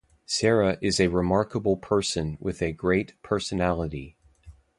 Sarah is a remarkable person with a great personality.